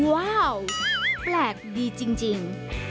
ว้าวแปลกดีจริง